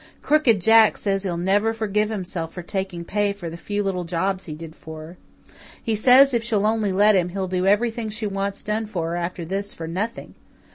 Crooked Jack says he'll never forgive himself for taking pay for the few little jobs he did for her. He says, if she'll only let him, he'll do everything she wants done for her after this for nothing.